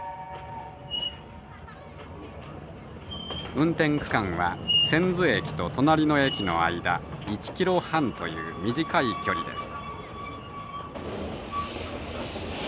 運転区間は千頭駅と隣の駅の間１キロ半という短い距離です。